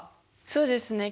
そうですね。